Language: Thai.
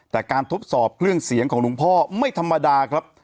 แต่การทดสอบเครื่องเสียงของหลวงพ่อไม่ธรรมดาครับ